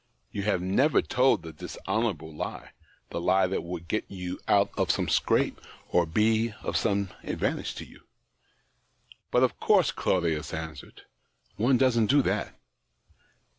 You have never told the dis honourable lie — the lie that would get you out of some scrape or be of some advantage to you." " But, of course," Claudius answered, " one doesn't do that."